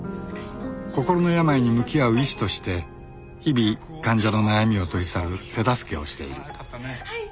心の病に向き合う医師として日々患者の悩みを取り去る手助けをしている